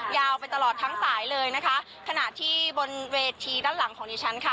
ยาวไปตลอดทั้งสายเลยนะคะขณะที่บนเวทีด้านหลังของดิฉันค่ะ